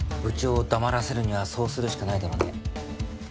部長を黙らせるにはそうするしかないだろうね。